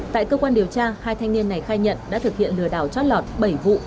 tại cơ quan điều tra hai thanh niên này khai nhận đã thực hiện lừa đảo chót lọt bảy vụ